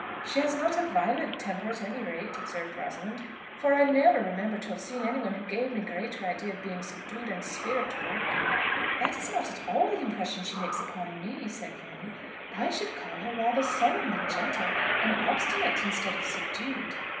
"She has not a violent temper, at any rate," observed Rosalind; "for I never remember to have seen any one who gave me a greater idea of being subdued and spirit broken." "That is not at all the impression she makes upon me," said Fanny: "I should call her rather sullen than gentle, and obstinate instead of subdued.